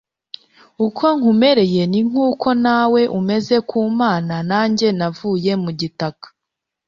uko nkumereye, ni nk'uko nawe umeze ku mana, nanjye navuye mu gitaka